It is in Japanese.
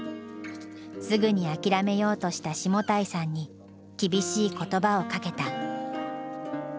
すぐに諦めようとした下平さんに厳しい言葉をかけた。